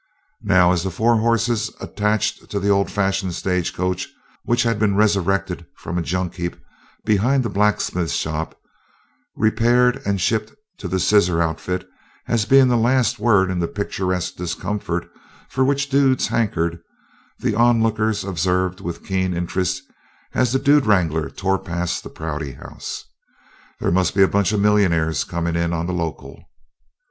Now, as the four horses attached to the old fashioned stagecoach which had been resurrected from a junk heap behind a blacksmith shop, repaired and shipped to the Scissor Outfit as being the last word in the picturesque discomfort for which dudes hankered, the onlookers observed with keen interest as the Dude Wrangler tore past the Prouty House, "There must be a bunch of millionaires coming in on the local."